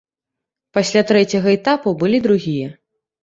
Пасля трэцяга этапу былі другія.